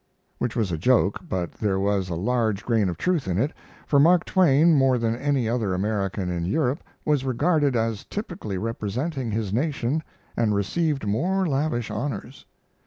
Which was a joke; but there was a large grain of truth in it, for Mark Twain, more than any other American in Europe, was regarded as typically representing his nation and received more lavish honors.